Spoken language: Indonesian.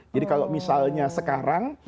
jadi kalau misalnya sekarang